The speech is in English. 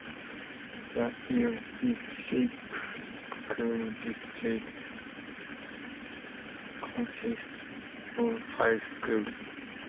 The Islip School District consists of five schools.